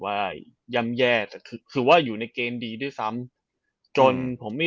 ย่ำแย่แต่คือคือว่าอยู่ในเกณฑ์ดีด้วยซ้ำจนผมไม่